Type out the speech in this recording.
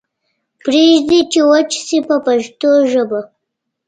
پریږدئ چې وچ شي په پښتو ژبه.